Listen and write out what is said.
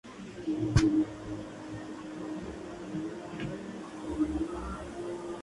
Trabajaba como campesino.